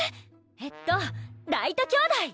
えっとライト兄弟！